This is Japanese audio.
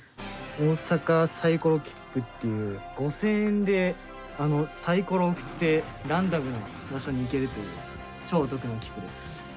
「大阪サイコロきっぷ」っていう５０００円でサイコロを振ってランダムな場所に行けるという超お得な切符です。